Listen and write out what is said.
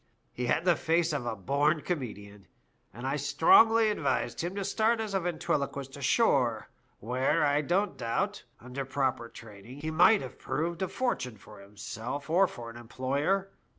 He had the face of a born comedian, and I strongly advised him to start as a ventriloquist ashore, v^rhere, I don't doubt, under proper training, he might have proved a fortune for himself or for an employer.